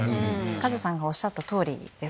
カズさんがおっしゃった通りです